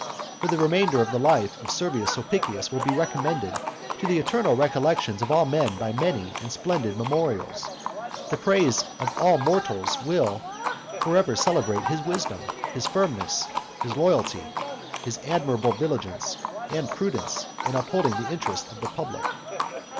For the remainder of the life of Servius Sulpicius will be recommended to the eternal recollection of all men by many and splendid memorials. The praise of all mortals will for ever celebrate his wisdom, his firmness, his loyalty, his admirable vigilance and prudence in upholding the interests of the public.